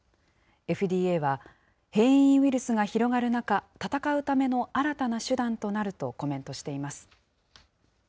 ＦＤＡは、変異ウイルスが広がる中、闘うための新たな手段となるとコメントしています。